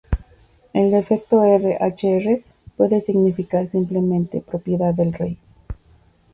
En efecto "r-Hr" puede significar simplemente 'propiedad del rey'.